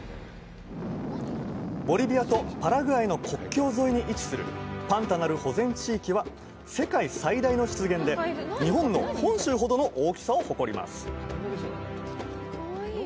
ボリビアとパラグアイの国境沿いに位置するパンタナル保全地域は世界最大の湿原で日本の本州ほどの大きさを誇ります